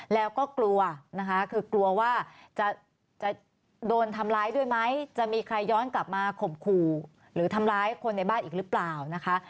แล้วก็กลัวนะคะคือกลัวว่าจะโดนทำร้ายด้วยไหมจะมีใครย้อนกลับมาข่มขู่หรือทำร้ายคนในบ้านอีกหรือเปล่านะคะ